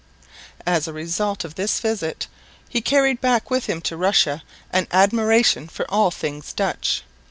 As a result of this visit he carried back with him to Russia an admiration for all things Dutch.